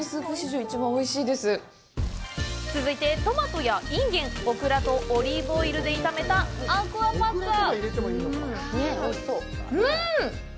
続いてトマトやインゲン、オクラとオリーブオイルで炒めたアクアパッツァ。